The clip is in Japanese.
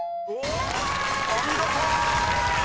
［お見事！］